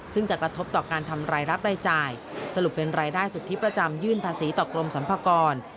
ซึ่งจะกระทบต่อการทำรายรับรายจ่ายสรุปเป็นรายได้สุทธิประจำยื่นภาษีต่อกรมสรรพากร